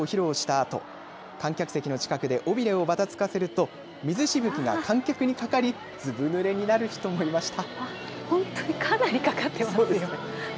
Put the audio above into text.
あと観客席の近くで尾びれをばたつかせると水しぶきが観客にかかりずぶぬれになる人もいました。